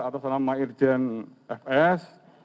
atau selama irjen fs